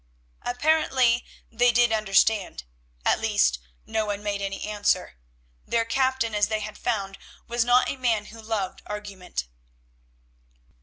Apparently they did understand, at least no one made any answer. Their captain, as they had found, was not a man who loved argument.